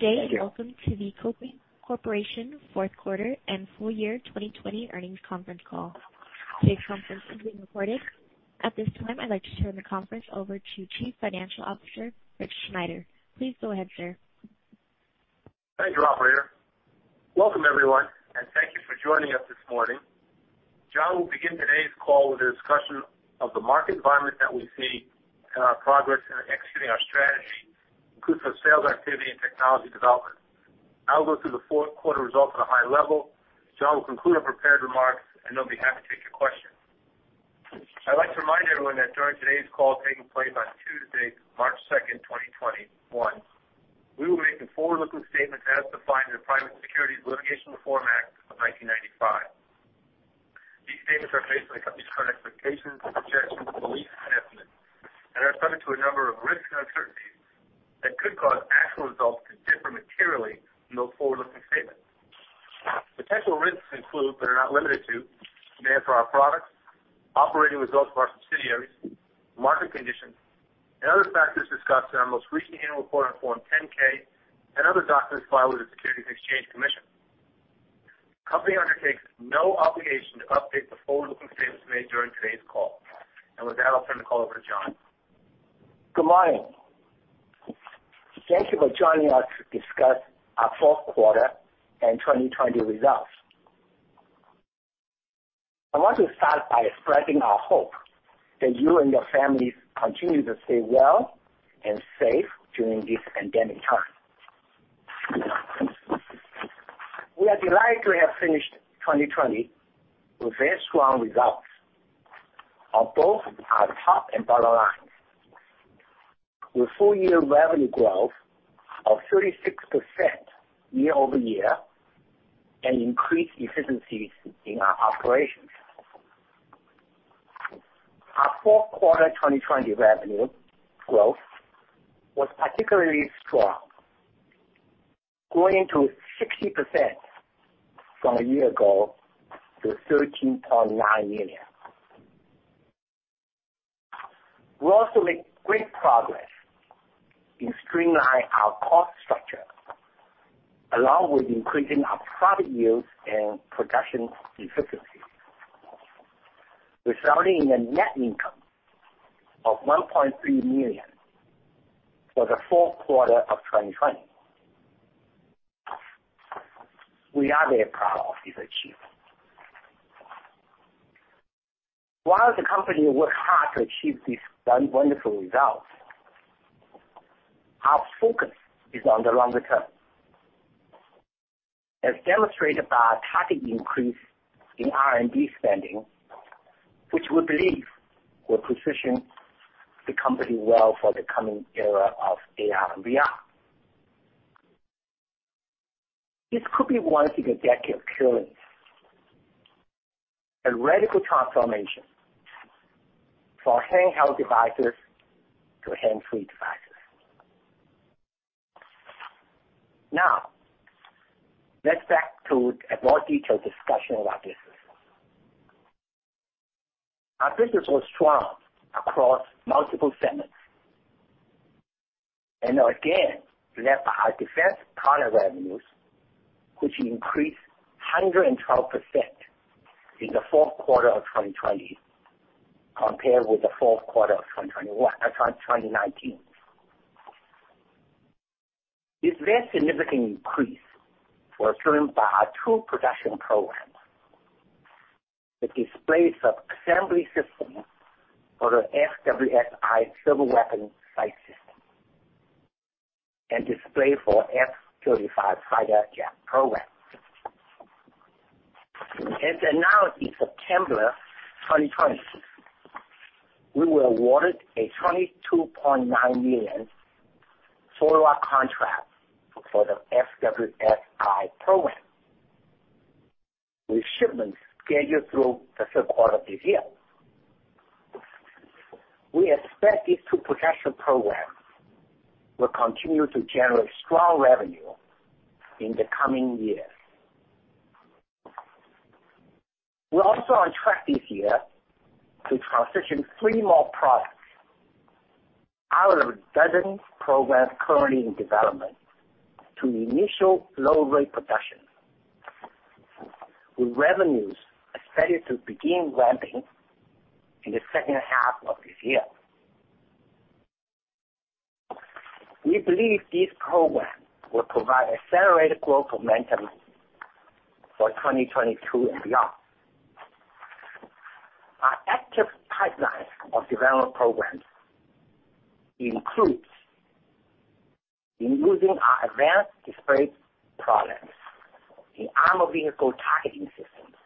Today, welcome to the Kopin Corporation fourth quarter and full year 2020 earnings conference call. Today's conference is being recorded. At this time, I'd like to turn the conference over to Chief Financial Officer, Rich Sneider. Please go ahead, sir. Thank you, operator. Welcome everyone, and thank you for joining us this morning. John will begin today's call with a discussion of the market environment that we see and our progress in executing our strategy, inclusive of sales activity and technology development. I'll go through the fourth quarter results at a high level. John will conclude our prepared remarks, and then we'll be happy to take your questions. I'd like to remind everyone that during today's call taking place on Tuesday, March 2nd, 2021, we will be making forward-looking statements as defined in the Private Securities Litigation Reform Act of 1995. These statements are based on the company's current expectations, projections, beliefs, and estimates and are subject to a number of risks and uncertainties that could cause actual results to differ materially from those forward-looking statements. Potential risks include, but are not limited to, demand for our products, operating results of our subsidiaries, market conditions, and other factors discussed in our most recent annual report on Form 10-K and other documents filed with the Securities and Exchange Commission. The company undertakes no obligation to update the forward-looking statements made during today's call. With that, I'll turn the call over to John. Good morning. Thank you for joining us to discuss our fourth quarter and 2020 results. I want to start by expressing our hope that you and your families continue to stay well and safe during this pandemic time. We are delighted to have finished 2020 with very strong results on both our top and bottom line, with full-year revenue growth of 36% year-over-year and increased efficiencies in our operations. Our fourth quarter 2020 revenue growth was particularly strong, growing to 60% from a year ago to $13.9 million. We also made great progress in streamlining our cost structure along with increasing our product yields and production efficiency, resulting in a net income of $1.3 million for the fourth quarter of 2020. We are very proud of this achievement. While the company worked hard to achieve these wonderful results, our focus is on the longer term, as demonstrated by our targeted increase in R&D spending, which we believe will position the company well for the coming era of AR and VR. This could be one of the decades currently. A radical transformation for handheld devices to hands-free devices. Now, let's get back to a more detailed discussion of our business. Our business was strong across multiple segments and again led by our defense product revenues, which increased 112% in the fourth quarter of 2020 compared with the fourth quarter of 2019. This very significant increase was driven by our two production programs, the display subassembly system for the FWS-I Individual Weapon Sight system and display for F-35 fighter jet program. Now in September 2020, we were awarded a $22.9 million follow-on contract for the FWS-I program, with shipments scheduled through the third quarter of this year. We expect these two production programs will continue to generate strong revenue in the coming years. We're also on track this year to transition three more products out of a dozen programs currently in development to initial low-rate production, with revenues expected to begin ramping in the second half of this year. We believe these programs will provide accelerated growth momentum for 2022 and beyond. Our active pipeline of development programs includes using our advanced display products in armor vehicle targeting systems,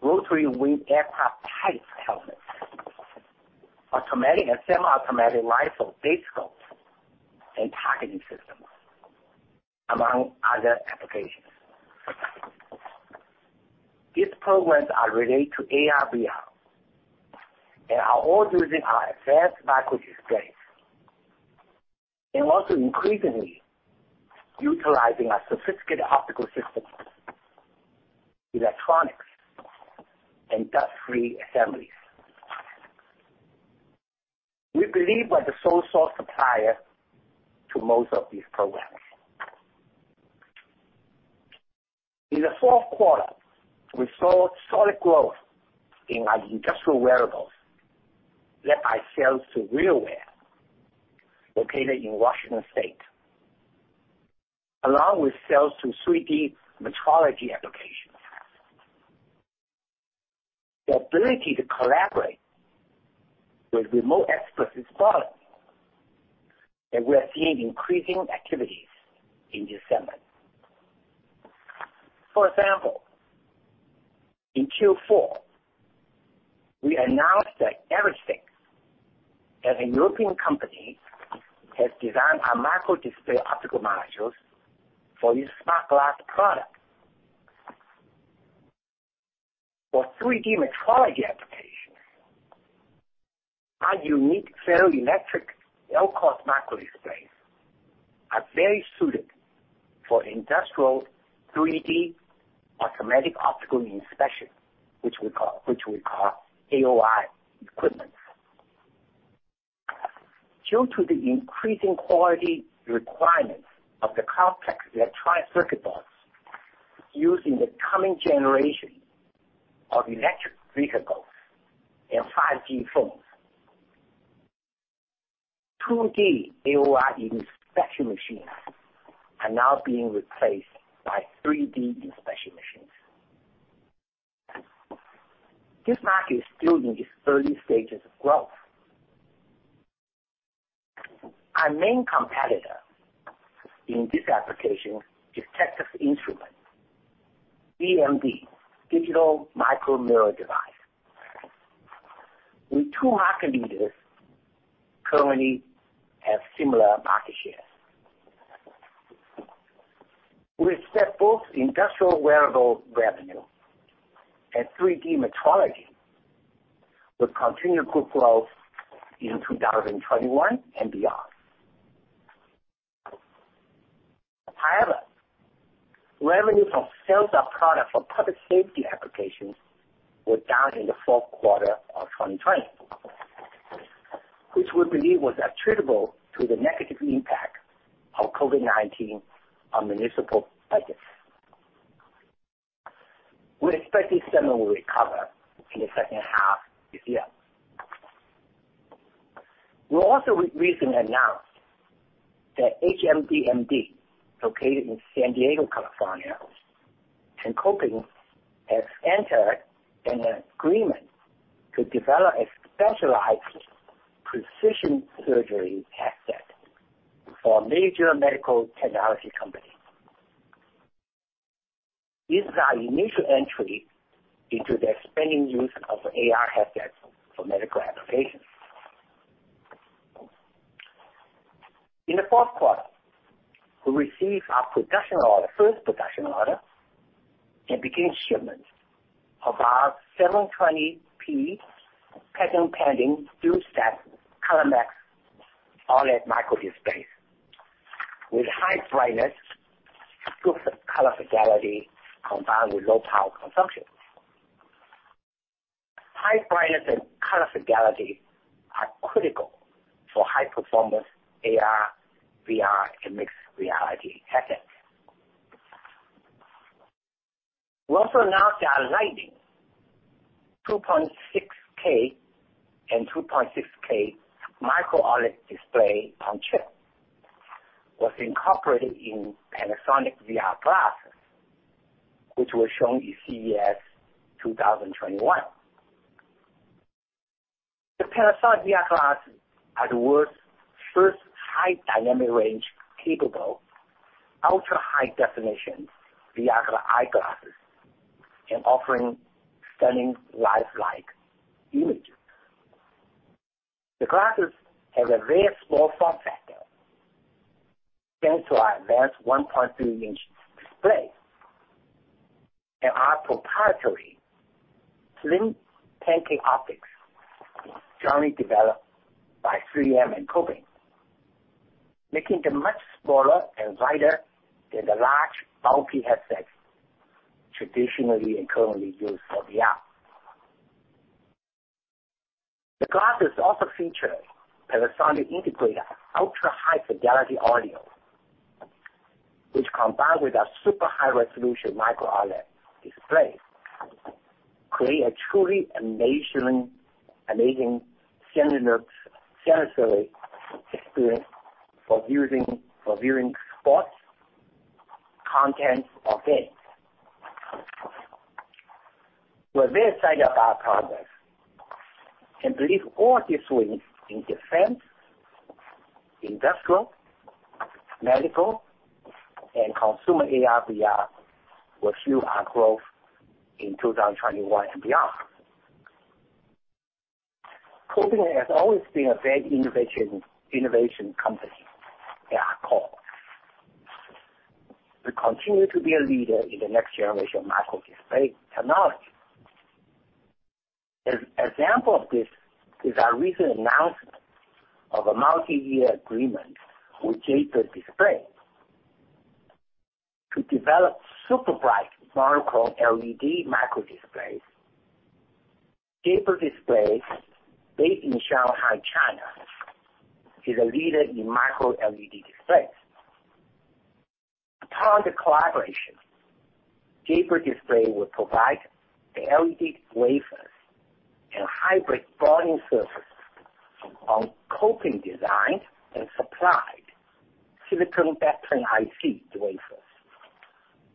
rotary-wing aircraft type helmets, automatic and semi-automatic rifle base scopes and targeting systems, among other applications. These programs are related to AR/VR and are all using our advanced microdisplays and also increasingly utilizing our sophisticated optical systems, electronics, and dust-free assemblies. We believe we're the sole source supplier to most of these programs. In the fourth quarter, we saw solid growth in our industrial wearables, led by sales to RealWear, located in Washington State, along with sales to 3D metrology applications. The ability to collaborate with remote experts is strong, we are seeing increasing activities in this segment. For example, in Q4, we announced that Everysight, as a European company, has designed our microdisplay optical modules for its smart glass product. For 3D metrology applications, our unique ferroelectric LCOS microdisplays are very suited for industrial 3D Automated Optical Inspection, which were called AOI equipment. Due to the increasing quality requirements of the complex electronic circuit boards used in the coming generation of electric vehicles and 5G phones, 2D AOI inspection machines are now being replaced by 3D inspection machines. This market is still in its early stages of growth. Our main competitor in this application is Texas Instruments' DMD, Digital Micromirror Device. We two market leaders currently have similar market shares. We expect both industrial wearable revenue and 3D metrology will continue good growth in 2021 and beyond. Revenue from sales of product for public safety applications were down in the fourth quarter of 2020, which we believe was attributable to the negative impact of COVID-19 on municipal budgets. We expect this segment will recover in the second half this year. We also recently announced that HMDmd, located in San Diego, California, and Kopin, has entered an agreement to develop a specialized precision surgery headset for a major medical technology company. This is our initial entry into the expanding use of AR headsets for medical applications. In the fourth quarter, we received our first production order and began shipment of our 720p, patent pending, duo-stack ColorMax OLED microdisplays with high brightness, good color fidelity, combined with low power consumption. High brightness and color fidelity are critical for high performance AR, VR, and mixed reality headsets. We also announced our Lightning 2.6k by 2.6k Micro-OLED display on chip was incorporated in Panasonic VR glasses, which were shown in CES 2021. The Panasonic VR glasses are the world's first high dynamic range-capable, ultra-high definition VR eyeglasses, offering stunning lifelike images. The glasses have a very small form factor, thanks to our advanced 1.3-inch display and our proprietary slim pancake optics, jointly developed by 3M and Kopin, making them much smaller and lighter than the large, bulky headsets traditionally and currently used for VR. The glasses also feature Panasonic integrated ultra-high fidelity audio, which, combined with our super high-resolution Micro-OLED displays, create a truly amazing sensory experience for viewing sports, content, or games. We're very excited about progress and believe all these wins in defense, industrial, medical, and consumer AR/VR will fuel our growth in 2021 and beyond. Kopin has always been a very innovation company at our core. We continue to be a leader in the next generation of microdisplay technology. An example of this is our recent announcement of a multi-year agreement with Jade Bird Display to develop super bright MicroLED microdisplays. Jade Bird Display, based in Shanghai, China, is a leader in MicroLED displays. Upon the collaboration, Jade Bird Display will provide the LED wafers and hybrid bonding service on Kopin design and supplied silicon backplane IC wafers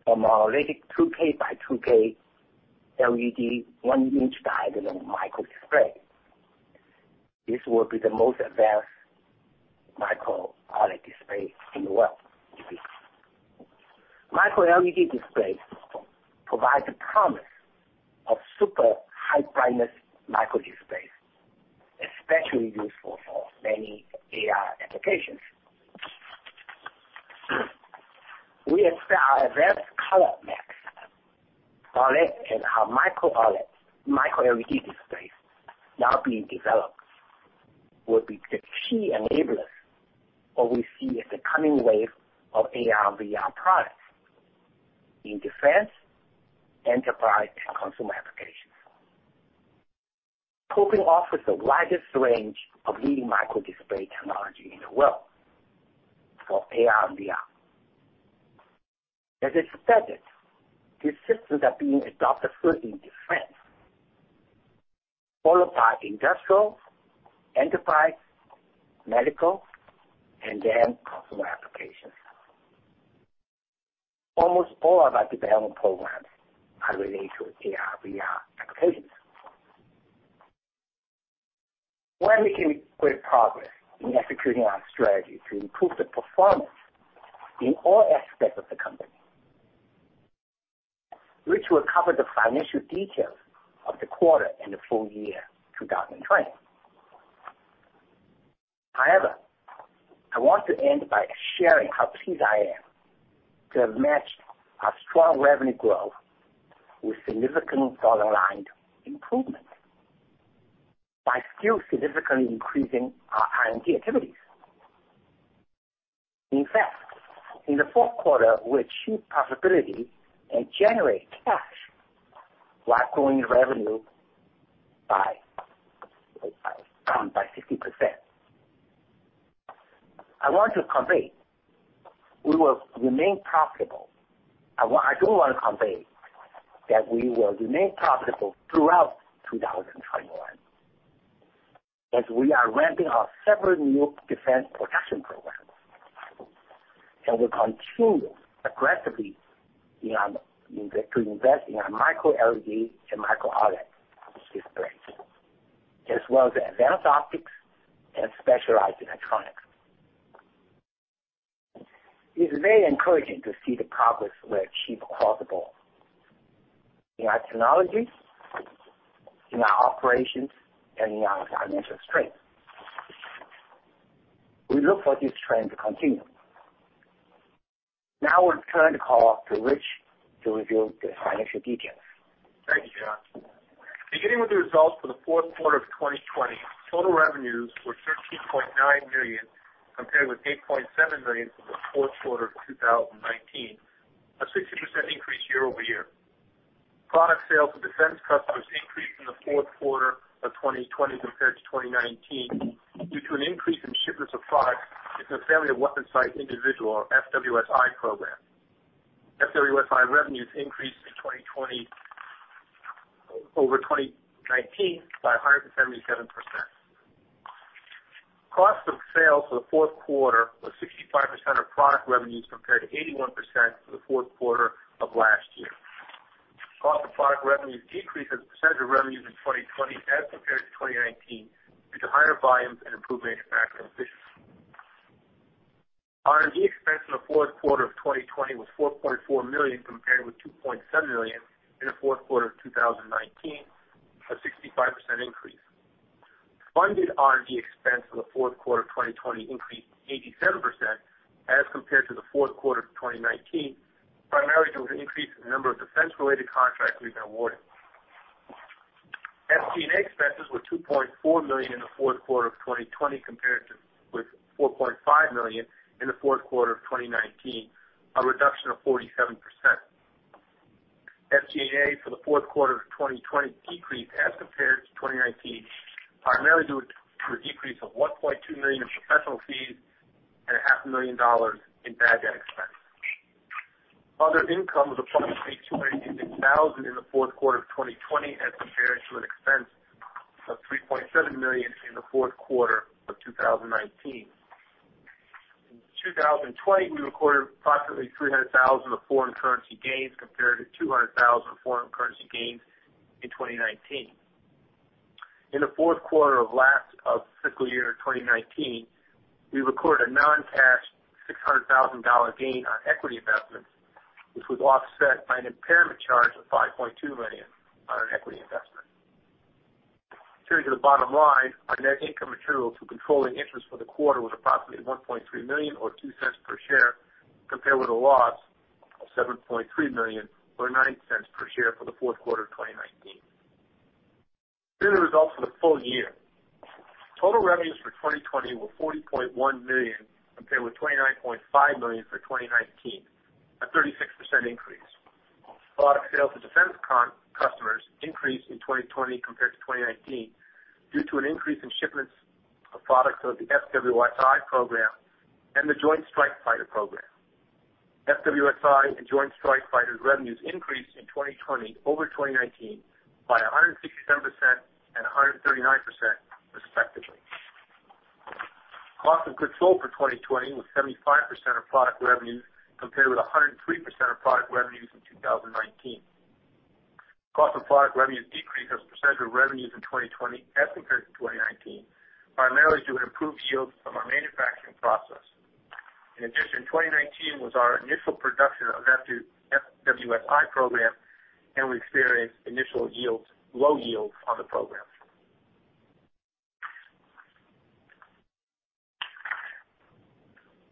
from our rigid 2K by 2K LED 1-inch diagonal microdisplay. This will be the most advanced Micro-OLED display in the world. MicroLED displays provide the promise of super high brightness microdisplays, especially useful for many AR applications. We expect our advanced ColorMax, OLED and our Micro-OLED, MicroLED displays now being developed will be the key enablers for we see as the coming wave of AR/VR products in defense, enterprise, and consumer applications. Kopin offers the widest range of leading microdisplay technology in the world for AR and VR. As expected, these systems are being adopted first in defense, followed by industrial, enterprise, medical, and then consumer applications. Almost all of our development programs are related to AR/VR applications. While we can make great progress in executing our strategy to improve the performance in all aspects of the company. Rich will cover the financial details of the quarter and the full year 2020. I want to end by sharing how pleased I am to have matched our strong revenue growth with significant bottom line improvements by still significantly increasing our R&D activities. In fact, in the fourth quarter, we achieved profitability and generated cash while growing revenue by 50%. I want to convey, we will remain profitable. I do want to convey that we will remain profitable throughout 2021, as we are ramping our several new defense production programs. We're continuing aggressively to invest in our MicroLED and Micro-OLED displays, as well as advanced optics and specialized electronics. It is very encouraging to see the progress we have achieved across the board in our technologies, in our operations, and in our financial strength. We look for this trend to continue. It's time to call off to Rich to reveal the financial details. Thank you, John. Beginning with the results for the fourth quarter of 2020, total revenues were $13.9 million, compared with $8.7 million for the fourth quarter of 2019, a 60% increase year-over-year. Product sales to defense customers increased in the fourth quarter of 2020 compared to 2019 due to an increase in shipments of products in the Family of Weapon Sights-Individual, or FWS-I program. FWS-I revenues increased in 2020 over 2019 by 177%. Cost of sale for the fourth quarter was 65% of product revenues, compared to 81% for the fourth quarter of last year. Cost of product revenues decreased as a percentage of revenues in 2020 as compared to 2019 due to higher volumes and improved manufacturing efficiency. R&D expense in the fourth quarter of 2020 was $4.4 million, compared with $2.7 million in the fourth quarter of 2019, a 65% increase. Funded R&D expense in the fourth quarter of 2020 increased 87% as compared to the fourth quarter of 2019, primarily due to an increase in the number of defense-related contracts we've been awarded. SG&A expenses were $2.4 million in the fourth quarter of 2020 compared with $4.5 million in the fourth quarter of 2019, a reduction of 47%. SG&A for the fourth quarter of 2020 decreased as compared to 2019, primarily due to a decrease of $1.2 million in professional fees and a half a million dollars in bad debt expense. Other income was approximately $286,000 in the fourth quarter of 2020 as compared to an expense of $3.7 million in the fourth quarter of 2019. In 2020, we recorded approximately $300,000 of foreign currency gains compared to $200,000 of foreign currency gains in 2019. In the fourth quarter of fiscal year 2019, we recorded a non-cash $600,000 gain on equity investments, which was offset by an impairment charge of $5.2 million on an equity investment. Turning to the bottom line, our net income attributable to controlling interest for the quarter was approximately $1.3 million, or $0.02 per share, compared with a loss of $7.3 million, or $0.09 per share, for the fourth quarter of 2019. Here are the results for the full year. Total revenues for 2020 were $40.1 million, compared with $29.5 million for 2019, a 36% increase. Product sales to defense customers increased in 2020 compared to 2019 due to an increase in shipments of products of the FWS-I program and the Joint Strike Fighter program. FWS-I and Joint Strike Fighter revenues increased in 2020 over 2019 by 167% and 139%, respectively. Cost of goods sold for 2020 was 75% of product revenues, compared with 103% of product revenues in 2019. Cost of product revenues decreased as a percentage of revenues in 2020 as compared to 2019, primarily due to improved yields from our manufacturing process. In addition, 2019 was our initial production of the FWS-I program, and we experienced initial low yields on the program.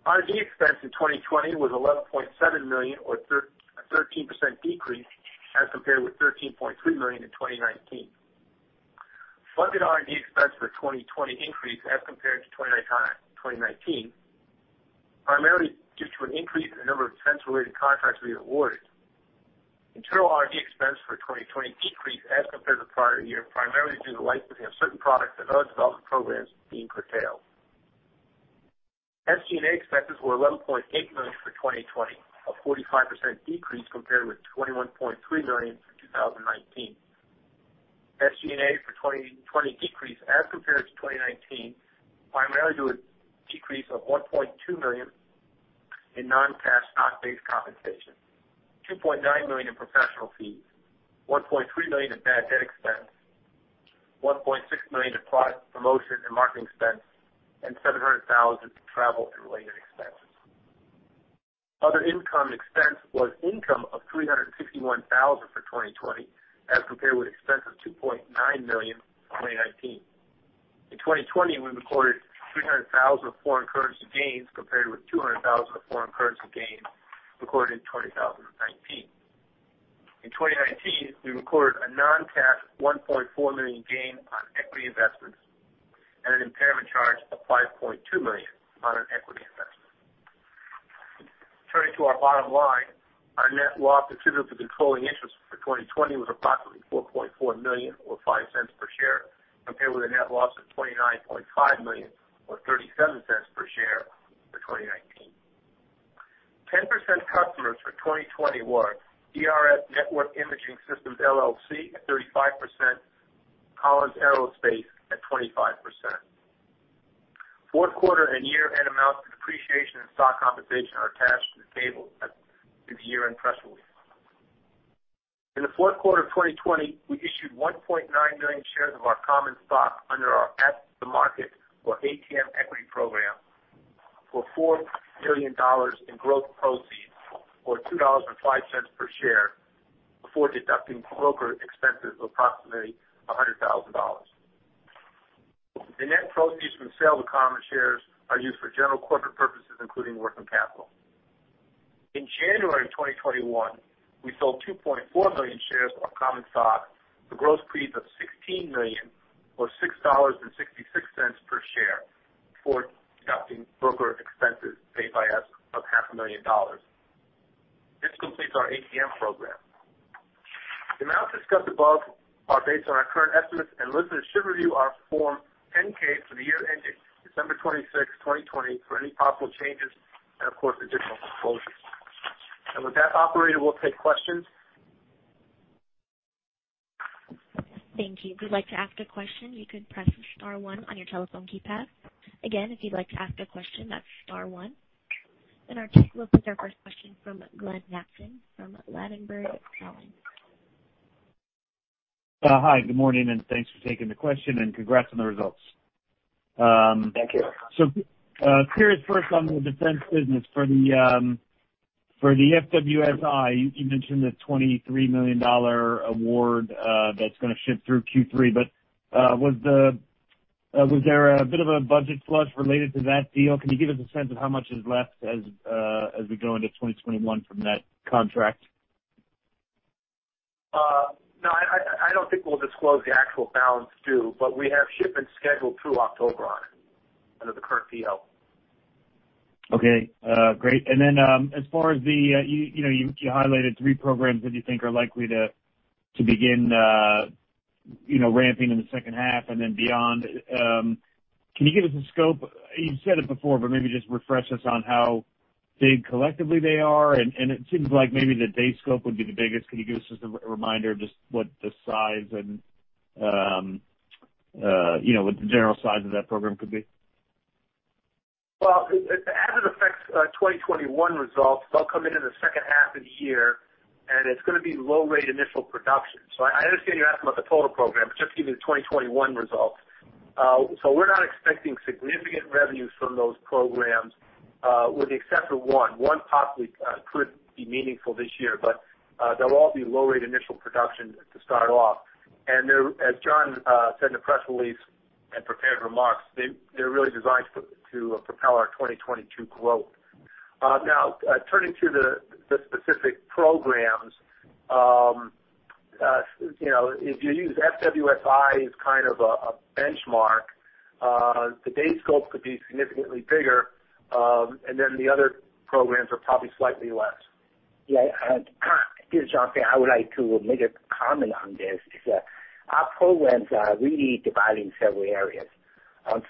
R&D expense in 2020 was $11.7 million or a 13% decrease as compared with $13.3 million in 2019. Funded R&D expense for 2020 increased as compared to 2019, primarily due to an increase in the number of defense-related contracts we awarded. Internal R&D expense for 2020 decreased as compared to the prior year, primarily due to the likes of certain products and other development programs being curtailed. SG&A expenses were $11.8 million for 2020, a 45% decrease compared with $21.3 million for 2019. SG&A for 2020 decreased as compared to 2019, primarily due to a decrease of $1.2 million in non-cash stock-based compensation, $2.9 million in professional fees, $1.3 million in bad debt expense, $1.6 million in product promotion and marketing expense, and $700,000 in travel and related expenses. Other income expense was income of $361,000 for 2020 as compared with expense of $2.9 million in 2019. In 2020, we recorded $300,000 of foreign currency gains compared with $200,000 of foreign currency gains recorded in 2019. In 2019, we recorded a non-cash $1.4 million gain on equity investments and an impairment charge of $5.2 million on an equity investment. Turning to our bottom line, our net loss attributed to controlling interests for 2020 was approximately $4.4 million or $0.05 per share, compared with a net loss of $29.5 million or $0.37 per share for 2019. 10% customers for 2020 were DRS Network & Imaging Systems, LLC at 35%, Collins Aerospace at 25%. Fourth quarter and year-end amounts for depreciation and stock compensation are attached to the table at the year-end press release. In the fourth quarter of 2020, we issued 1.9 million shares of our common stock under our at-the-market or ATM equity program for $4 million in gross proceeds or $2.05 per share before deducting broker expenses of approximately $100,000. The net proceeds from the sale of common shares are used for general corporate purposes, including working capital. In January 2021, we sold 2.4 million shares of our common stock for gross proceeds of $16 million or $6.66 per share before deducting broker expenses paid by us of $500,000. This completes our ATM program. The amounts discussed above are based on our current estimates, and listeners should review our Form 10-K for the year ending December 26th, 2020, for any possible changes and, of course, additional disclosures. With that, operator, we'll take questions. Thank you. If you'd like to ask a question, you can press star one on your telephone keypad. Again, if you'd like to ask a question, that's star one. We'll take our first question from Glenn Mattson from Ladenburg Thalmann. Hi, good morning, and thanks for taking the question, and congrats on the results. Thank you. Curious first on the defense business for the FWS-I, you mentioned the $23 million award that's going to ship through Q3. Was there a bit of a budget flush related to that deal? Can you give us a sense of how much is left as we go into 2021 from that contract? I don't think we'll disclose the actual balance due, but we have shipments scheduled through October on it under the current PO. Okay, great. As far as you highlighted three programs that you think are likely to begin ramping in the second half and then beyond. Can you give us a scope? You've said it before, maybe just refresh us on how big collectively they are. It seems like maybe the DayVAS scope would be the biggest. Can you give us just a reminder of just what the size and what the general size of that program could be? Well, as it affects 2021 results, they'll come in in the second half of the year, and it's going to be low rate initial production. I understand you're asking about the total program, but just give you the 2021 results. We're not expecting significant revenues from those programs with the exception of one. One possibly could be meaningful this year, but they'll all be low rate initial production to start off. As John said in the press release and prepared remarks, they're really designed to propel our 2022 growth. Now, turning to the specific programs. If you use FWS-I as kind of a benchmark, the day scope could be significantly bigger, and then the other programs are probably slightly less. This is John Fan. I would like to make a comment on this, is that our programs are really divided in several areas.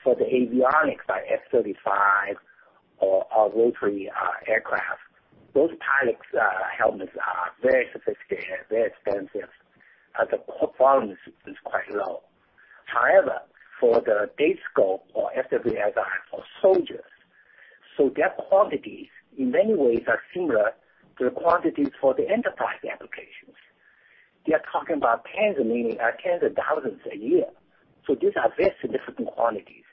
For the avionics, our F-35 or our rotary aircraft, those pilots' helmets are very sophisticated, very expensive, and the performance is quite low. However, for the day scope or FWS-I for soldiers, so their quantities in many ways are similar to the quantities for the enterprise applications. We are talking about tens of millions or tens of thousands a year. These are very significant quantities.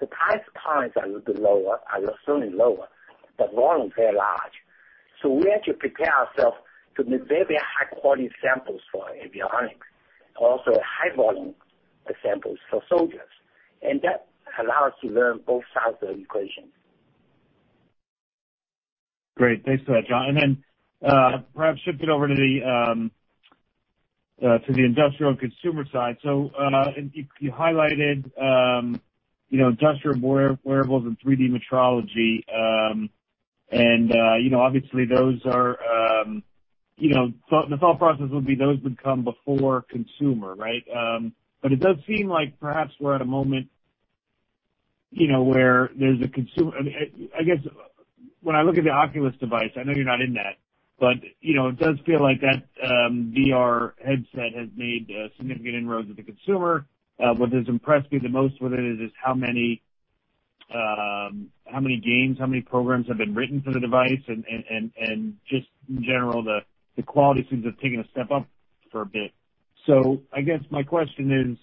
The price points are a little bit lower, are certainly lower, but volume is very large. We have to prepare ourselves to make very high-quality samples for avionics, also high volume samples for soldiers. That allows to learn both sides of the equation. Great. Thanks for that, John. Then, perhaps shifting over to the industrial consumer side. You highlighted industrial wearables and 3D metrology, and obviously, the thought process would be those would come before consumer, right? It does seem like perhaps we're at a moment where there's a consumer. I guess, when I look at the Oculus device, I know you're not in that, but it does feel like that VR headset has made significant inroads with the consumer. What has impressed me the most with it is how many games, how many programs have been written for the device and just in general, the quality seems to have taken a step up for a bit. I guess my question is,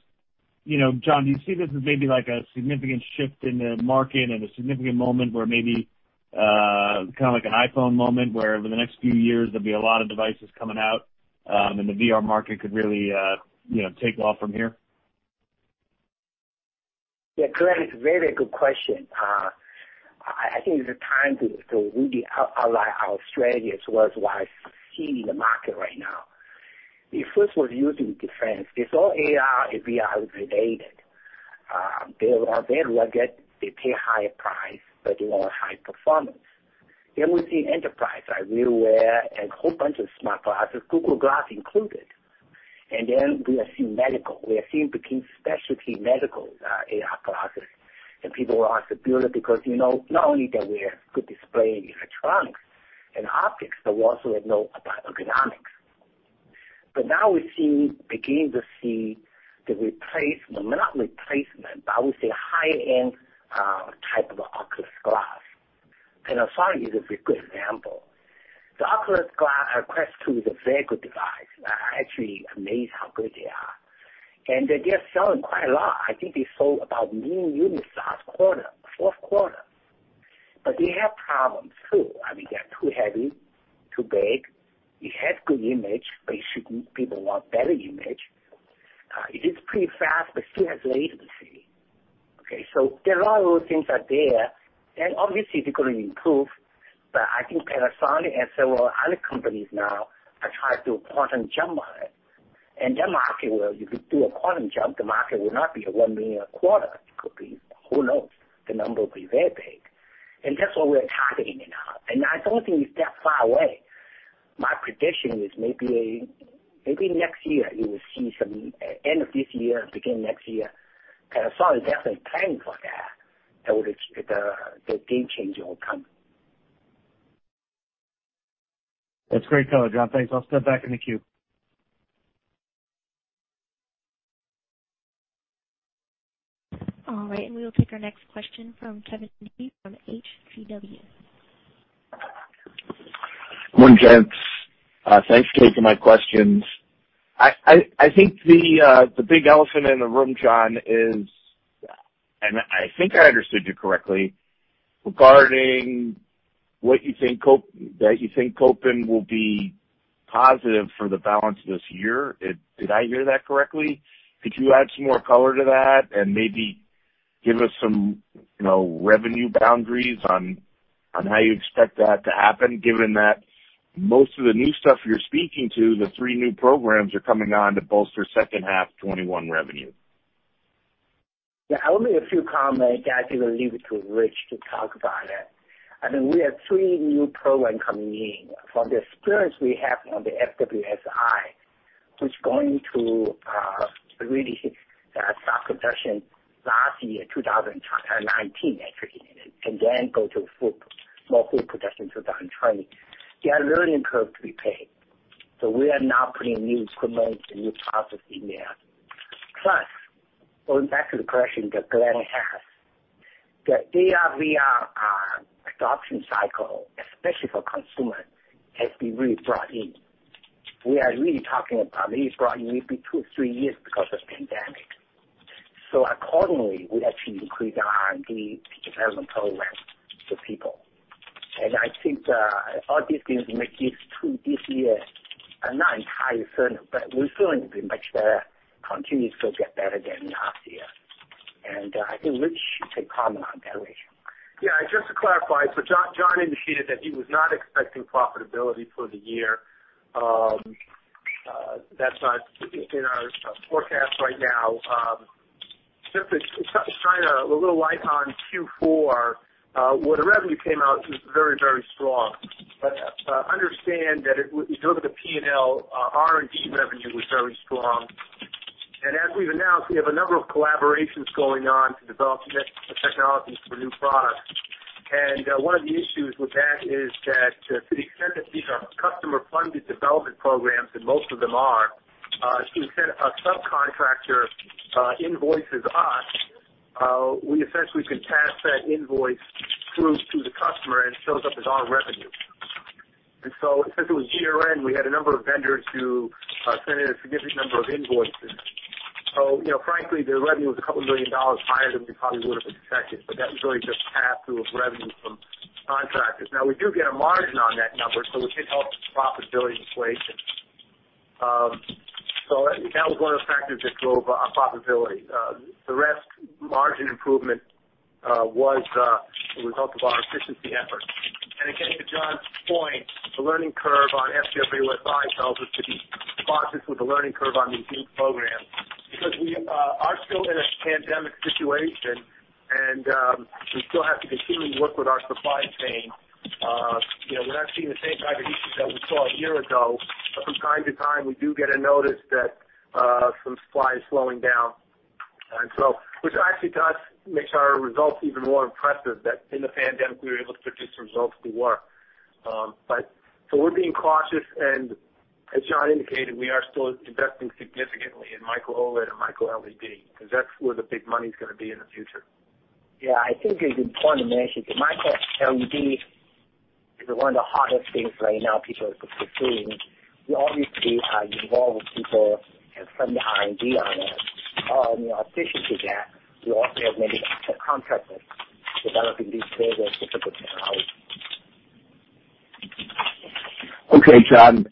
John, do you see this as maybe like a significant shift in the market and a significant moment where maybe, kind of like an iPhone moment, where over the next few years, there'll be a lot of devices coming out, and the VR market could really take off from here? Yeah, Glenn, it's a very good question. I think it's a time to really ally our strategy as well as what I see in the market right now. It first was used in defense. It's all AR and VR related. They are very rugged, they pay a higher price, but they want high performance. We see enterprise, like Vuzix and whole bunch of smartglasses, Google Glass included. We are seeing medical. We are seeing between specialty medical AR glasses, and people want to build it because, not only that we have good display in electronics and optics, but we also know about ergonomics. Now we're beginning to see the replacement, not replacement, but I would say high-end type of Oculus. Sorry, this is a good example. The Oculus Quest 2 is a very good device. I'm actually amazed how good they are. They're selling quite a lot. I think they sold about 1 million units last quarter, fourth quarter. They have problems, too. They are too heavy, too big. It has good image, but people want better image. It is pretty fast but still has latency. There are a lot of things that there, and obviously, they're going to improve, but I think Panasonic and several other companies now are trying to quantum jump on it. That market will, if you do a quantum jump, the market will not be at 1 million a quarter. It could be, who knows? The number will be very big. That's what we're targeting now, and I don't think it's that far away. My prediction is maybe next year you will see some, end of this year, beginning next year. Panasonic is definitely planning for that the game changer will come. That's great color, John. Thanks. I'll step back in the queue. All right. We will take our next question from Kevin Dede, from HCW. Morning, gents. Thanks for taking my questions. I think the big elephant in the room, John, is, and I think I understood you correctly, regarding that you think Kopin will be positive for the balance of this year. Did I hear that correctly? Could you add some more color to that and maybe give us some revenue boundaries on how you expect that to happen, given that most of the new stuff you're speaking to, the three new programs, are coming on to bolster second half 2021 revenue? Yeah, only a few comments. I think I'll leave it to Rich to talk about it. I think we have three new programs coming in. From the experience we have on the FWS-I, which going to really start production last year, 2019, actually. Then go to small full production 2020. They are really improved to be paced. We are now putting new commitments and new processes in there. Plus, going back to the question that Glenn has, the AR/VR adoption cycle, especially for consumer, has been really brought in. We are really talking about maybe it's brought in two or three years because of pandemic. Accordingly, we actually increased our R&D development programs to keep pace. I think all these things make this year not entirely certain, but we're feeling pretty much better, continues to get better than last year. I think Rich should comment on that ratio. Yeah, just to clarify, John indicated that he was not expecting profitability for the year. That's not in our forecast right now. Just trying a little light on Q4, where the revenue came out was very, very strong. Understand that if you look at the P&L, our R&D revenue was very strong. As we've announced, we have a number of collaborations going on to develop next technologies for new products. One of the issues with that is that to the extent that these are customer-funded development programs, and most of them are, to the extent a subcontractor invoices us, we essentially can pass that invoice through to the customer and it shows up as our revenue. Essentially, year-end, we had a number of vendors who sent in a significant number of invoices. Frankly, the revenue was a couple of million dollars higher than we probably would have expected, but that was really just pass-through of revenue from contractors. We do get a margin on that number, so it did help profitability inflation. That was one of the factors that drove our profitability. The rest margin improvement was a result of our efficiency efforts. Again, to John's point, the learning curve on FWS-I tells us to be cautious with the learning curve on these new programs because we are still in a pandemic situation and we still have to continually work with our supply chain. We're not seeing the same type of issues that we saw a year ago, but from time to time, we do get a notice that some supply is slowing down. Which actually to us makes our results even more impressive, that in the pandemic, we were able to produce the results we were. We're being cautious and as John indicated, we are still investing significantly in Micro-OLED and MicroLED, because that's where the big money's going to be in the future. Yeah, I think it's important to mention that MicroLED is one of the hottest things right now people are pursuing. We obviously are involved with people and some R&D on it. In addition to that, we also have many sub-contractors developing these programs with different technologies. Okay, John.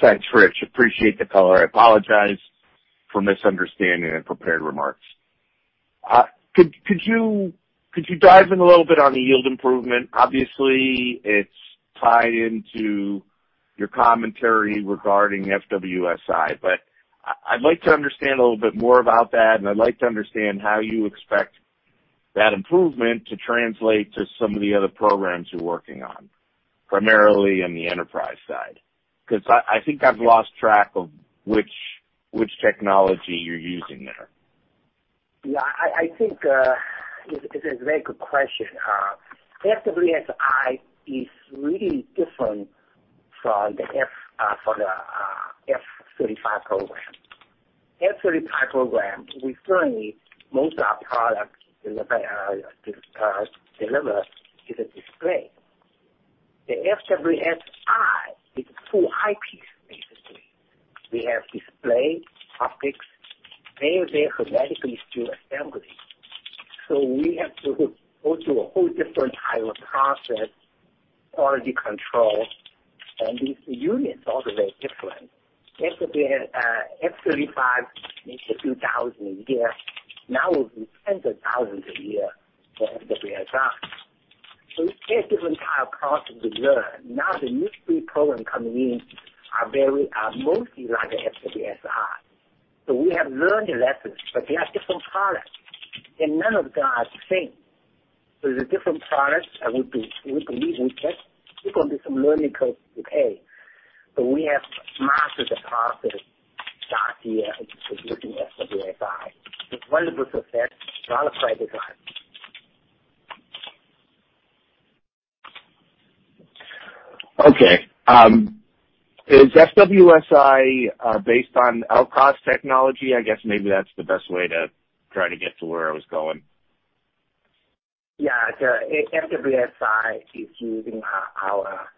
Thanks, Rich. Appreciate the color. I apologize for misunderstanding in prepared remarks. Could you dive in a little bit on the yield improvement? Obviously, it's tied into your commentary regarding FWS-I, but I'd like to understand a little bit more about that, and I'd like to understand how you expect that improvement to translate to some of the other programs you're working on, primarily on the enterprise side. I think I've lost track of which technology you're using there. Yeah, I think it's a very good question. FWS-I is really different from the F-35 program. F-35 program, we currently, most of our products delivered is a display. The FWS-I is a full eyepiece, basically. We have display, optics, and they automatically do assembly. We have to go through a whole different type of process, quality control, and the units are very different. F-35 makes a few thousand a year. Now it will be tens of thousands a year for FWS-I. It's an entire different process we learn. Now, the new three programs coming in are mostly like the FWS-I. We have learned the lessons, but they are different products, and none of them are the same. The different products, there's going to be some learning curves to pay, but we have mastered the process last year with producing FWS-I with wonderful success, and I'm quite excited. Okay. Is FWS-I based on LCOS technology? I guess maybe that's the best way to try to get to where I was going. Yeah. The FWS-I is using our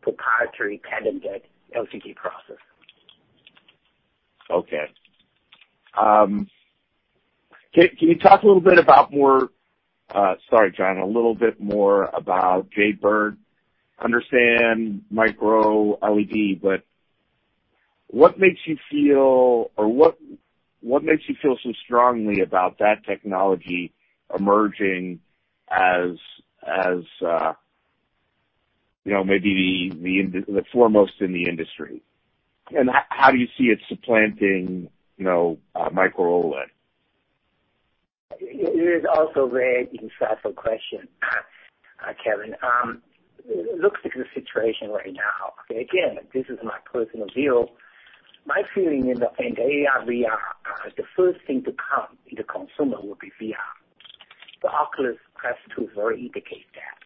proprietary patented LCOS process. Okay. Can you talk a little bit about sorry, John, a little bit more about Jade Bird? Understand MicroLED, but what makes you feel so strongly about that technology emerging as maybe the foremost in the industry? How do you see it supplanting Micro-OLED? It is also a very insightful question, Kevin. Look at the situation right now. Again, this is my personal view. My feeling is that in AR/VR, the first thing to come in the consumer will be VR. The Oculus Quest 2 indicates that.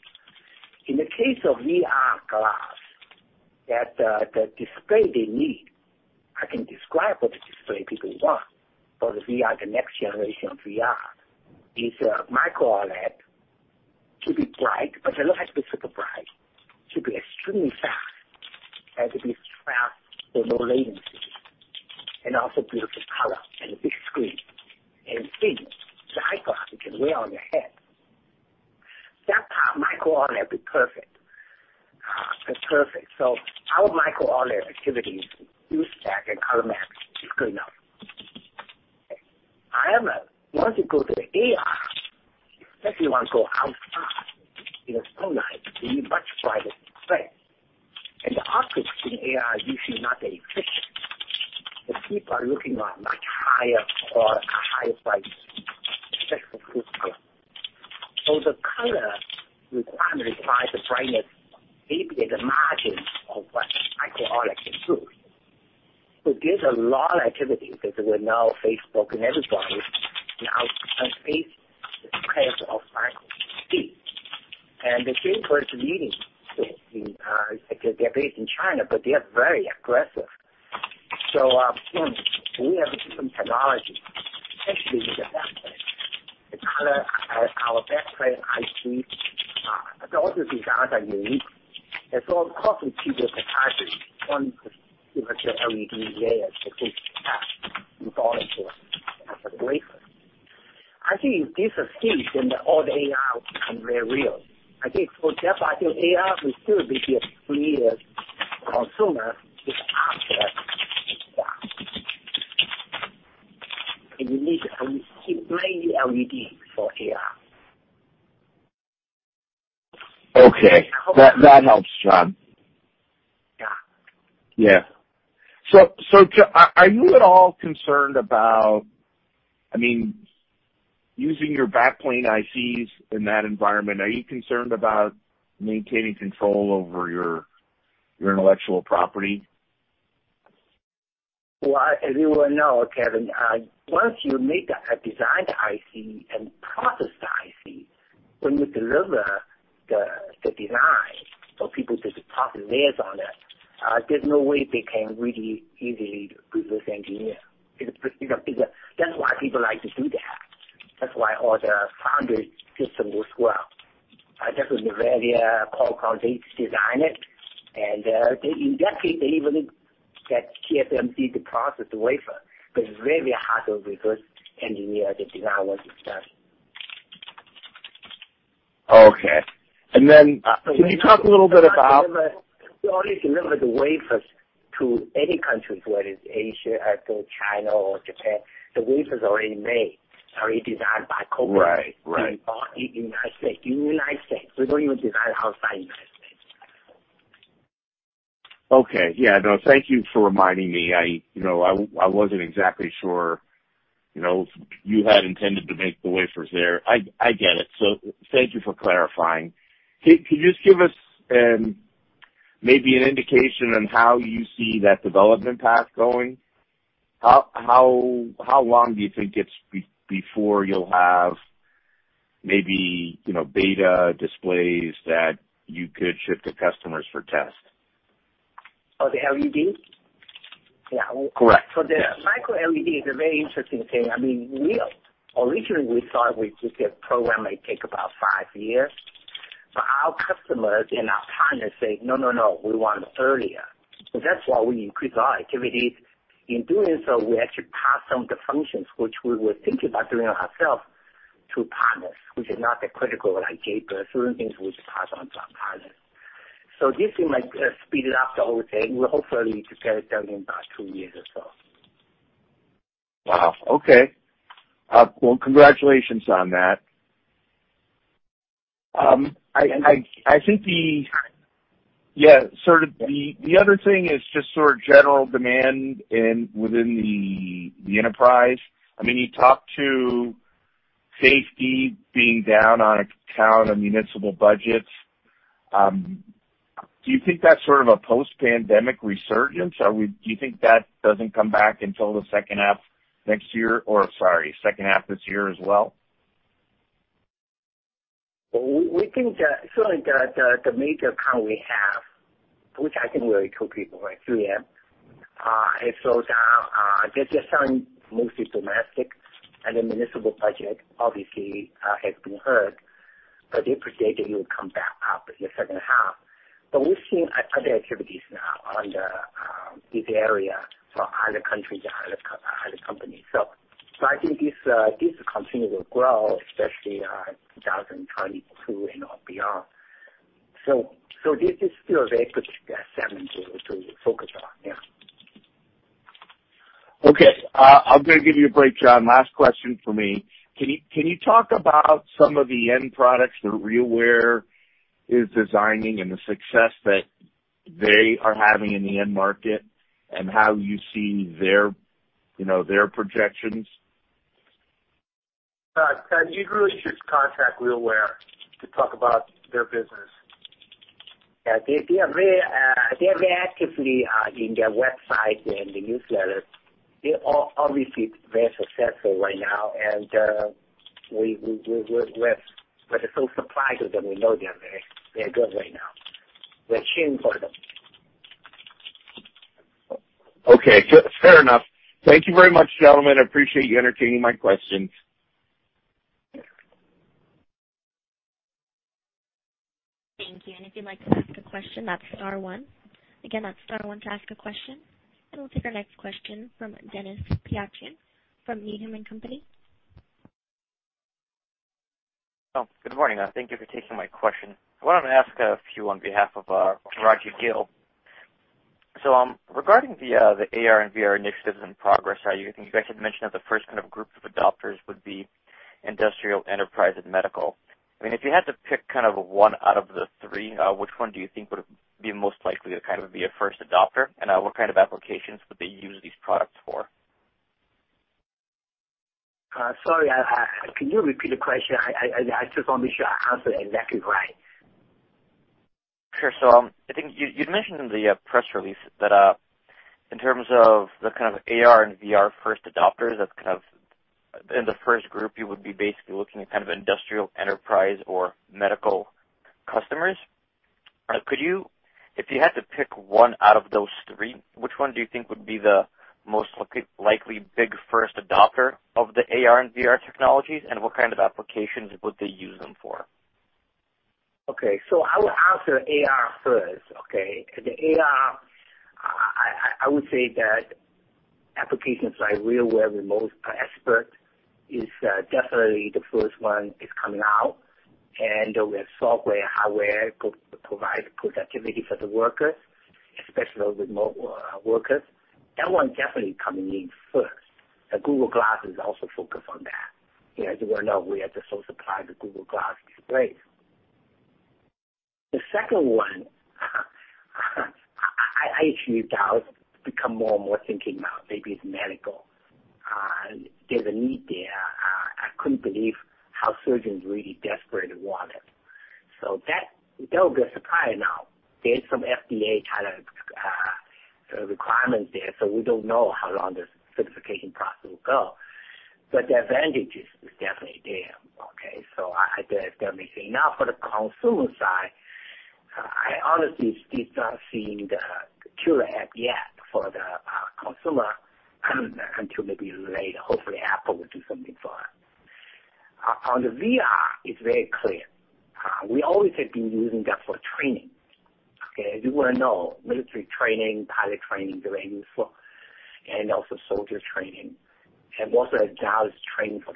In the case of VR glass, the display they need, I can describe what the display people want for the VR, the next generation of VR, is micro OLED to be bright, but they don't have to be super bright, to be extremely fast, and to be fast with no latency, and also beautiful color and a big screen, and thin, so the eyepiece you can wear on your head. Micro-OLED will be perfect. It's perfect. Our Micro-OLED activity is duo-stack and ColorMax is good enough. Once you go to the AR, especially once you go outside in the sunlight, you need much brighter display. The optics in AR usually are not that efficient. The people are looking at much higher or a higher brightness, especially for consumer. The color requirement requires the brightness maybe at the margin of what Micro-OLED can improve. There's a lot of activity because now Facebook and everybody is now on pace to catch up MicroLED. The same person leading this, they're based in China, they are very aggressive. We have a different technology, especially with the backplane. The color, our backplane IC. Those are designs are unique, it costs us cheaper to package one compared to LED layer to take less in volume for the wafer. I think if this succeeds, then all AR will become very real. I think for sure, I think AR will still be the clear consumer with the optics. You need a MicroLED for AR. Okay. That helps, John. Yeah. Yeah. Are you at all concerned about using your backplane ICs in that environment? Are you concerned about maintaining control over your intellectual property? Well, as you well know, Kevin, once you make a design the IC and process the IC, when you deliver the design for people to deposit layers on it, there's no way they can really easily reverse engineer. That's why people like to do that. That's why all the foundry system works well. That was the earlier Qualcomm, they design it, and in that case, they even get TSMC to process the wafer. It's very hard to reverse engineer the design once it's done. Okay. Can you talk a little bit about? We only deliver the wafers to any countries, whether it's Asia, I think China or Japan. The wafers are already made, already designed by Kopin. Right. In the United States. We don't even design outside United States. Okay. Yeah. No, thank you for reminding me. I wasn't exactly sure you had intended to make the wafers there. I get it. Thank you for clarifying. Can you just give us maybe an indication on how you see that development path going? How long do you think it's before you'll have maybe beta displays that you could ship to customers for test? Of the LED? Yeah. Correct. Yeah. The MicroLED is a very interesting thing. Originally, we thought we could get program may take about five years, our customers and our partners say, "No, we want it earlier." That's why we increased our activity. In doing so, we actually passed some of the functions, which we were thinking about doing ourselves, to partners, which is not that critical, like gate, but certain things we just pass on to our partners. This thing might speed it up the whole thing. We'll hopefully get it done in about two years or so. Wow. Okay. Well, congratulations on that. The other thing is just sort of general demand within the enterprise. You talked to safety being down on account of municipal budgets. Do you think that's sort of a post-pandemic resurgence? Do you think that doesn't come back until the second half this year as well? We think that certainly the major account we have, which I think we already told people, right? 3M, it slows down. They're selling mostly domestic, and the municipal budget obviously has been hurt. They predict that it will come back up in the second half. We're seeing other activities now under this area for other countries and other companies. I think this company will grow, especially 2022 and beyond. This is still a very good segment to focus on. Yeah. Okay. I'm going to give you a break, John. Last question from me. Can you talk about some of the end products that RealWear is designing and the success that they are having in the end market, and how you see their projections? Kevin, you really should contact RealWear to talk about their business. They're very actively in their website and the newsletters. They're obviously very successful right now, and we're so surprised with them. We know they are very good right now. We're cheering for them. Okay. Fair enough. Thank you very much, gentlemen. I appreciate you entertaining my questions. Thank you. If you'd like to ask a question, that's star one. Again, that's star one to ask a question. We'll take our next question from Denis Pyatchanin from Needham & Company. Good morning. Thank you for taking my question. I wanted to ask a few on behalf of our, Raji Gill. Regarding the AR and VR initiatives and progress, you guys had mentioned that the first group of adopters would be industrial, enterprise, and medical. If you had to pick one out of the three, which one do you think would be most likely to be a first adopter? What kind of applications would they use these products for? Sorry, can you repeat the question? I just want to be sure I answer it exactly right. Sure. I think you'd mentioned in the press release that in terms of the kind of AR and VR first adopters, in the first group, you would be basically looking at industrial, enterprise, or medical customers. If you had to pick one out of those three, which one do you think would be the most likely big first adopter of the AR and VR technologies, and what kind of applications would they use them for? I will answer AR first. Okay. The AR, I would say that applications like RealWear remote expert is definitely the first one is coming out, and with software, hardware could provide productivity for the workers, especially remote workers. That one definitely coming in first. The Google Glass is also focused on that. As you well know, we are the sole supplier to Google Glass display. The second one, actually, that has become more and more thinking now maybe it's medical. There's a need there. I couldn't believe how surgeons really desperate and want it. That will be a surprise now. There's some FDA kind of requirements there, so we don't know how long the certification process will go. The advantage is definitely there. Okay, I definitely say. For the consumer side, I honestly still not seeing the killer app yet for the consumer until maybe later. Hopefully, Apple will do something for us. On the VR, it's very clear. We always have been using that for training. Okay? As you well know, military training, pilot training, very useful. Also soldier training, also as well as training for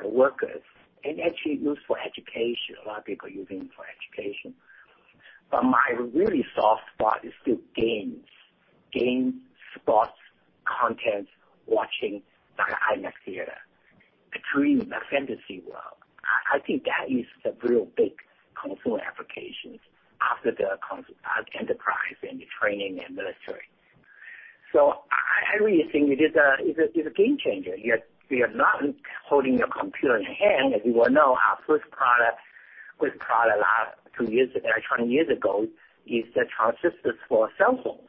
the workers, actually used for education. A lot of people using it for education. My really soft spot is still games. Games, sports, contents, watching like an IMAX theater, a dream, a fantasy world. I think that is the real big consumer applications after the enterprise and the training and military. I really think it is a game changer. You're not holding your computer in hand. As you well know, our first product last two years ago, 20 years ago, is the transistor for cell phones.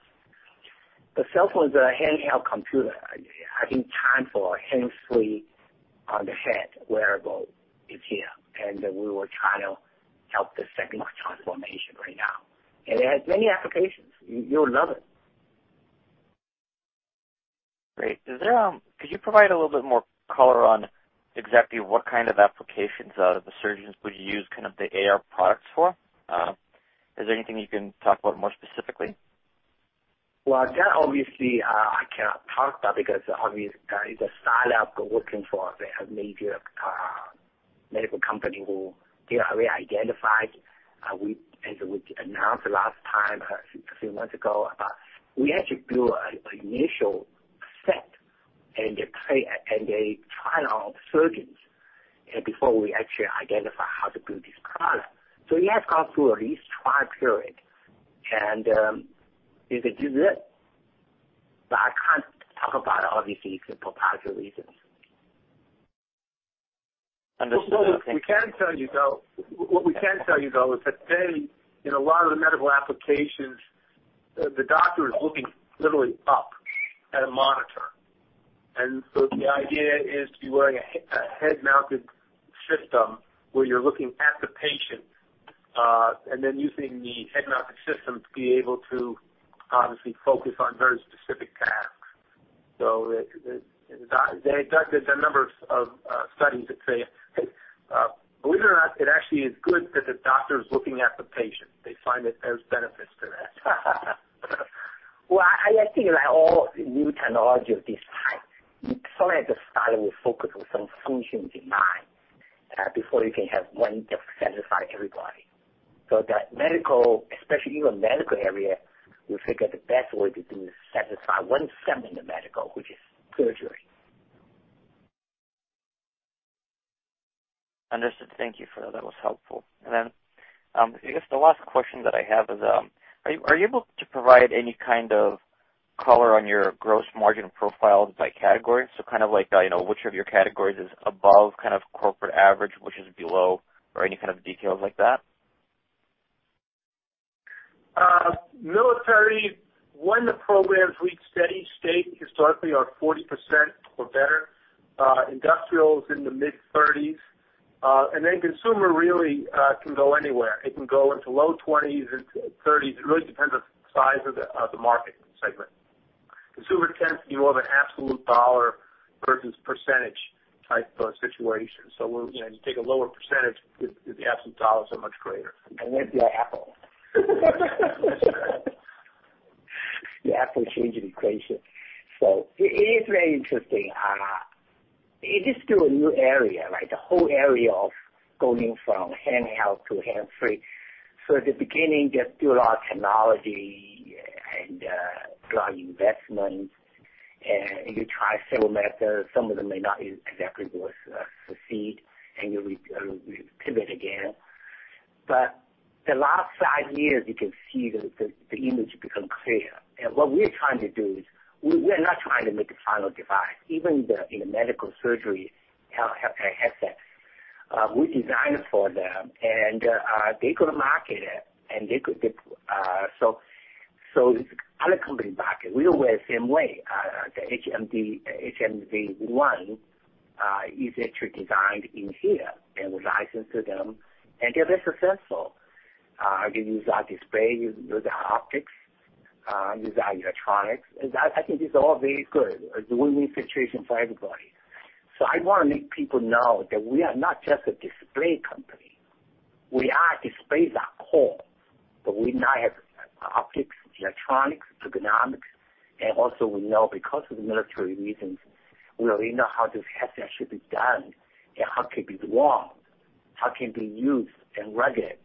The cell phones are a handheld computer. I think time for a hands-free on the head wearable is here, we will try to help the second transformation right now. It has many applications. You'll love it. Great. Could you provide a little bit more color on exactly what kind of applications the surgeons would use the AR products for? Is there anything you can talk about more specifically? Well, that obviously, I cannot talk about because obvious it's a startup we're working for. They have major medical company who they are identified, as we announced the last time, a few months ago. We actually built an initial set and a trial of surgeons before we actually identify how to build this product. Yes, gone through at least trial period. If it does it, but I can't talk about it obviously for proprietary reasons. Understood. Thank you. What we can tell you, though, is that today, in a lot of the medical applications, the doctor is looking literally up at a monitor. The idea is to be wearing a head-mounted system where you're looking at the patient, and then using the head-mounted system to be able to obviously focus on very specific tasks. There's a number of studies that say, believe it or not, it actually is good that the doctor is looking at the patient. They find there's benefits to that. Well, I think like all new technology of this type, you somehow have to start with focus on some functions in mind, before you can have one just satisfy everybody. The medical, especially even medical area, we figure the best way to satisfy one segment of medical, which is surgery. Understood. Thank you for that. That was helpful. I guess the last question that I have is, are you able to provide any kind of color on your gross margin profiles by category? Like, which of your categories is above corporate average, which is below, or any kind of details like that? Military, when the programs reach steady state, historically are 40% or better. Industrial is in the mid-30s. Consumer really can go anywhere. It can go into low 20s, 30s. It really depends on size of the market segment. Consumer tends to be more of an absolute dollar versus percentage type of situation. You take a lower percentage because the absolute dollars are much greater. Where's your Apple? The Apple changing equation. It is very interesting. It is still a new area, right? The whole area of going from handheld to hands-free. At the beginning, just do a lot of technology and a lot of investments, and you try several methods. Some of them may not exactly work, succeed, and you'll re-pivot again. The last five years, you can see the image become clear. What we're trying to do is, we're not trying to make a final device. Even in the medical surgery headsets, we design it for them, and they could market it. This other company market, we work the same way. The HMDmd is actually designed in here and we license to them, and they're very successful. They use our display, use our optics, use our electronics. I think it's all very good. A win-win situation for everybody. I want to let people know that we are not just a display company. We are displays at core, but we now have optics, electronics, ergonomics, and also we know because of the military reasons, we already know how this headset should be done and how it can be worn, how can it be used and rugged.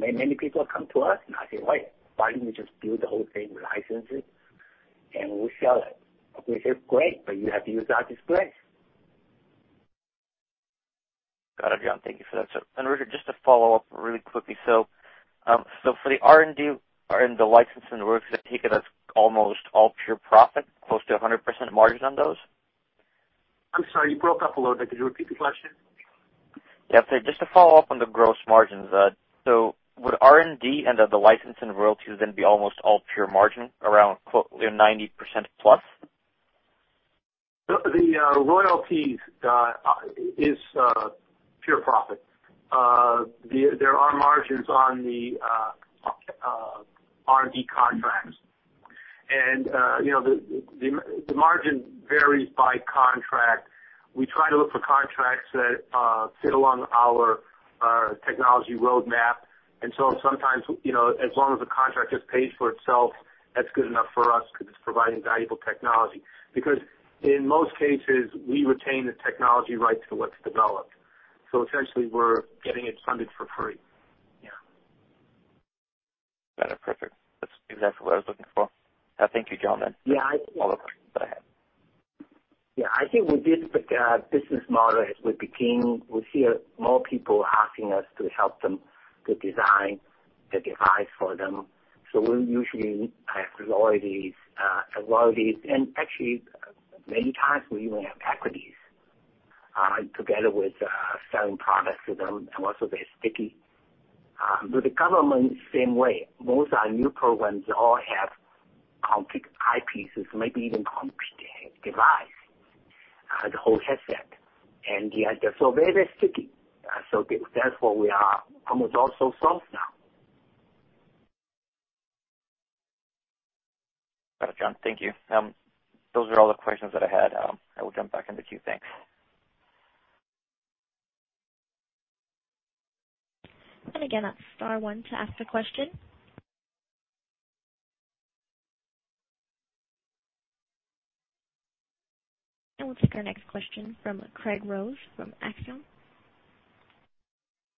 Many people come to us and I say, "Why don't you just build the whole thing, we license it, and we sell it?" They say, "Great, but you have to use our displays." Got it, John. Thank you for that. Rich, just to follow up really quickly. For the R&D and the license and the royalties, I take it that's almost all pure profit, close to 100% margin on those? I'm sorry, you broke up a little bit. Could you repeat the question? Yeah. Just to follow up on the gross margins. Would R&D and the license and royalties then be almost all pure margin, around 90%+? The royalties is pure profit. There are margins on the R&D contracts and the margin varies by contract. We try to look for contracts that sit along our technology roadmap. Sometimes as long as the contract just pays for itself, that's good enough for us because it's providing valuable technology. In most cases, we retain the technology rights to what's developed, so essentially we're getting it funded for free. Yeah. Got it. Perfect. That is exactly what I was looking for. Thank you, John. That is all the questions that I had. I think with this business model, as we begin, we hear more people asking us to help them to design the device for them. We usually have royalties, and actually, many times we even have equities, together with selling products to them, and also they're sticky. With the government, same way. Most of our new programs all have complete eyepieces, maybe even complete device, the whole headset. They're so very sticky. That's what we are almost all sourced now. Got it, John. Thank you. Those are all the questions that I had. I will jump back in the queue. Thanks. Again, that's star one to ask a question. We'll take our next question from Craig Rose from Axiom.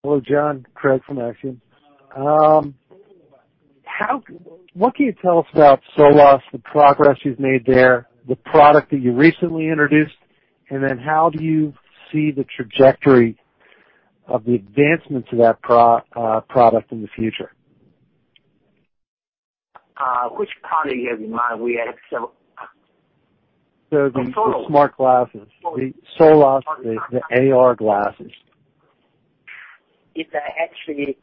Hello, John. Craig from Axiom. What can you tell us about Solos, the progress you've made there, the product that you recently introduced, and then how do you see the trajectory of the advancement to that product in the future? Which product you have in mind? We have several. The smart glasses. The Solos, the AR glasses. It actually,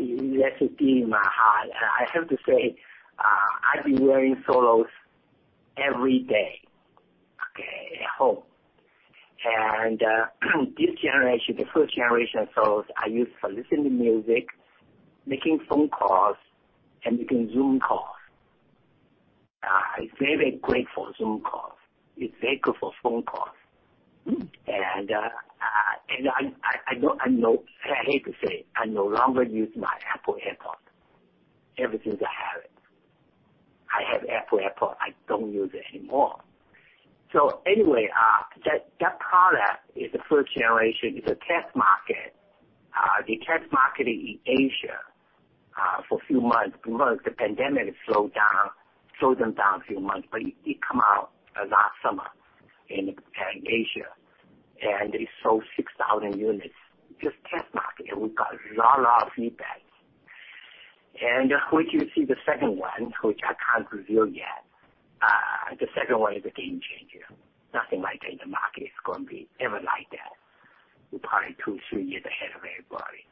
you hit the nail on my head. I have to say, I've been wearing Solos every day at home. This generation, the first generation of Solos, I use for listening to music, making phone calls and making Zoom calls. It's very great for Zoom calls. It's very good for phone calls. I hate to say it, I no longer use my Apple AirPods ever since I have it. I have Apple AirPods, I don't use it anymore. Anyway, that product is a first generation, is a test market. We test marketed in Asia for a few months. The pandemic slowed them down a few months, but it come out last summer in Asia, and it sold 6,000 units. Just test market, we got a lot of feedback. Wait till you see the second one, which I can't reveal yet. The second one is a game changer. Nothing like that in the market. It's not going to be ever like that. We're probably two, three years ahead of everybody.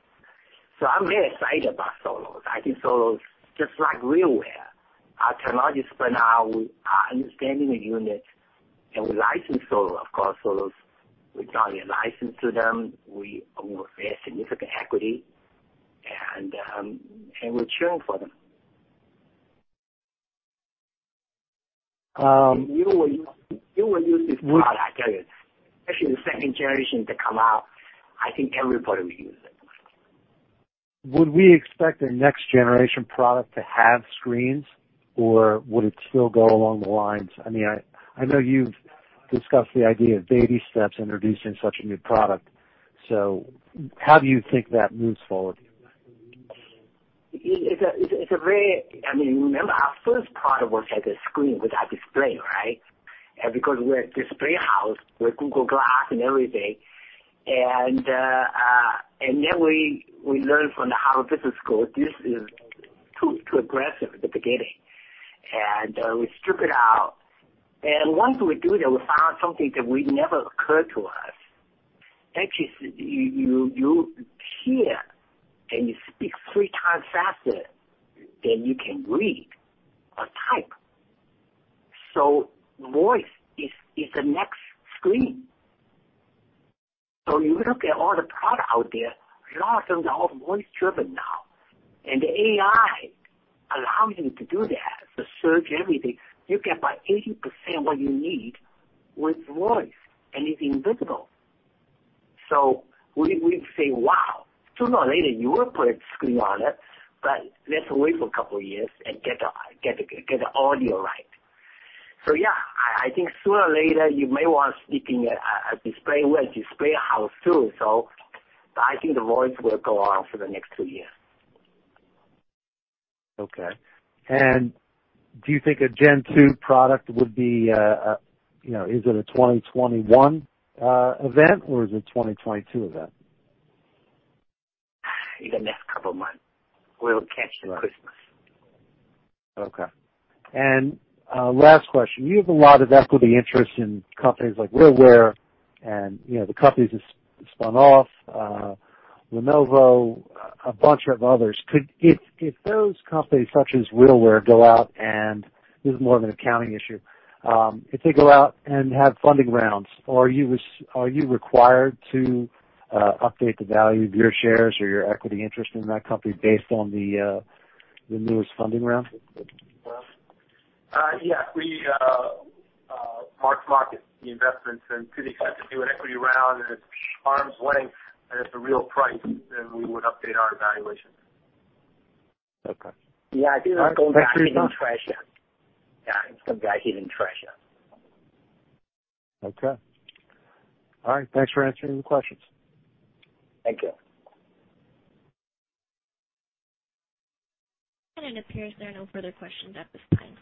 I'm very excited about Solos. I think Solos, just like RealWear, our technology is for now, our understanding the unit, and we license Solos, of course. Solos, we're going to license to them. We will have significant equity. We're cheering for them. You will use this product, I tell you. Actually, the second generation to come out, I think everybody will use it. Would we expect the next generation product to have screens, or would it still go along the lines I know you've discussed the idea of baby steps introducing such a new product? How do you think that moves forward? Remember, our first product was like a screen without display. Because we're a display house with Google Glass and everything. Then we learned from the Harvard Business School, this is too aggressive at the beginning. We stripped it out. Once we do that, we found something that would never occur to us. Actually, you hear and you speak three times faster than you can read or type. Voice is the next screen. You look at all the product out there, a lot of them are all voice-driven now. The AI allows you to do that, to search everything. You get about 80% what you need with voice, and it's invisible. We say, "Wow." Sooner or later, you will put a screen on it, but let's wait for a couple of years and get the audio right. Yeah, I think sooner or later, you may want speaking, a display. We're a display house, too. I think the voice will go on for the next two years. Okay. Do you think a Gen 2 product, is it a 2021 event, or is it a 2022 event? In the next couple of months. We'll catch the Christmas. Okay. Last question. You have a lot of equity interest in companies like RealWear and the companies that spun off, Lenovo, a bunch of others. If those companies, such as RealWear, go out and, this is more of an accounting issue, if they go out and have funding rounds, are you required to update the value of your shares or your equity interest in that company based on the newest funding round? Yeah. We mark-to-market the investments. To the extent they do an equity round and it's arm's length and it's a real price, then we would update our evaluations. Okay. Yeah, I think it's some kind of hidden treasure. Okay. All right. Thanks for answering the questions. Thank you. It appears there are no further questions at this time.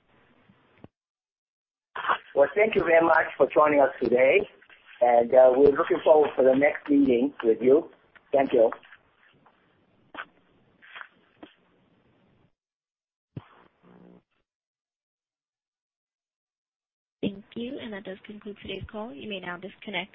Well, thank you very much for joining us today, and we're looking forward for the next meeting with you. Thank you. Thank you. That does conclude today's call. You may now disconnect.